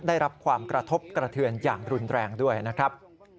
ได้รับความกระทบกระเทือนอย่างรุนแรงด้วยนะครับ